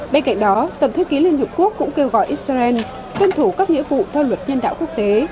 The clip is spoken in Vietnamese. bên cạnh đó tổng thư ký liên hợp quốc cũng kêu gọi israel tuân thủ các nghĩa vụ theo luật nhân đạo quốc tế